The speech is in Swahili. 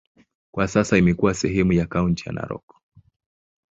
Kwa sasa imekuwa sehemu ya kaunti ya Narok.